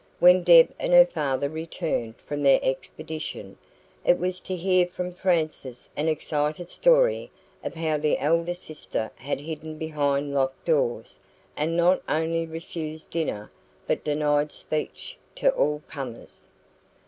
When Deb and her father returned from their expedition, it was to hear from Frances an excited story of how the elder sister had hidden behind locked doors, and not only refused dinner but denied speech to all comers.